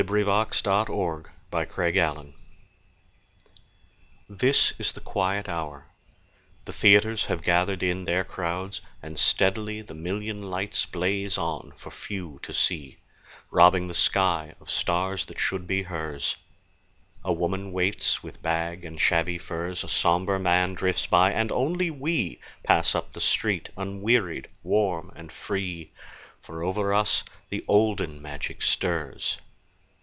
Sara Teasdale Broadway THIS is the quiet hour; the theaters Have gathered in their crowds, and steadily The million lights blaze on for few to see, Robbing the sky of stars that should be hers. A woman waits with bag and shabby furs, A somber man drifts by, and only we Pass up the street unwearied, warm and free, For over us the olden magic stirs.